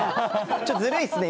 ちょっとずるいっすね